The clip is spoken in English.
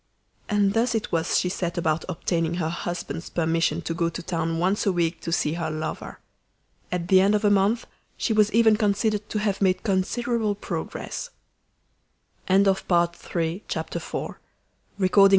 And thus it was she set about obtaining her husband's permission to go to town once a week to see her lover. At the end of a month she was even considered to have made considerable progress. Chapter Five She went on Thursdays.